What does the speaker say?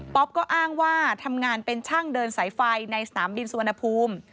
ก็อ้างว่าทำงานเป็นช่างเดินสายไฟในสนามบินสุวรรณภูมิ